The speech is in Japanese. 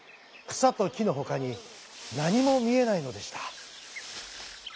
くさときのほかになにもみえないのでした。